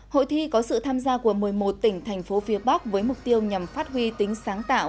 hội thi có sự tham gia của một mươi một tỉnh thành phố phía bắc với mục tiêu nhằm phát huy tính sáng tạo